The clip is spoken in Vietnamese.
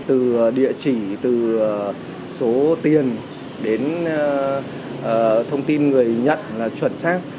từ địa chỉ từ số tiền đến thông tin người nhận là chuẩn xác